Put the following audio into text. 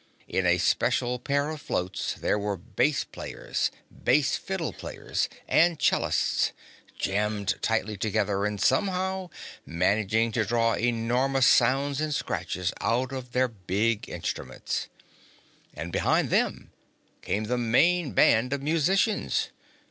In a special pair of floats there were bass players, bass fiddle players and cellists, jammed tightly together and somehow managing to draw enormous sounds and scratches out of the big instruments. And behind them came the main band of musicians.